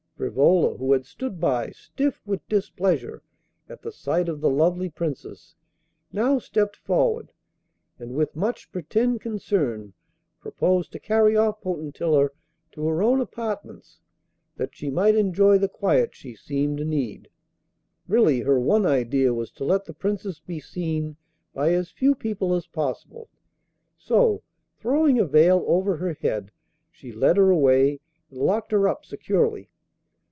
Frivola, who had stood by, stiff with displeasure at the sight of the lovely Princess, now stepped forward, and with much pretended concern proposed to carry off Potentilla to her own apartments that she might enjoy the quiet she seemed to need. Really her one idea was to let the Princess be seen by as few people as possible; so, throwing a veil over her head, she led her away and locked her up securely.